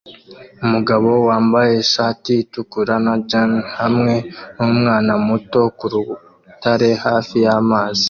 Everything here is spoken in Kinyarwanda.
Umugabo wambaye ishati itukura na jans hamwe numwana muto kurutare hafi yamazi